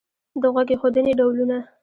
د غوږ ایښودنې ډولونه